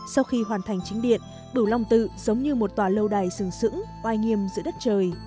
sau khi hoàn thành chính điện đủ long tự giống như một tòa lâu đài sừng sững oai nghiêm giữa đất trời